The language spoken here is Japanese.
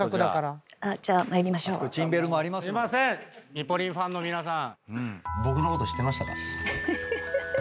ミポリンファンの皆さん。